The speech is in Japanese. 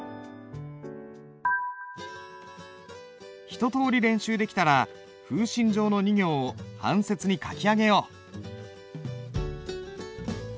一とおり練習できたら「風信帖」の２行を半切に書き上げよう。